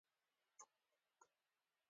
له غزني ها خوا تر کابله سړک نوى ډمبر سوى و.